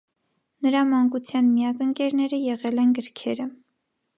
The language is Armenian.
Նրա մանկության միակ ընկերները եղել են գրքերը։